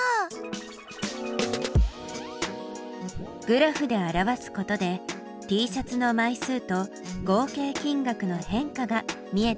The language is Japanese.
グラフで表すことでＴシャツの枚数と合計金額の変化が見えてきたね。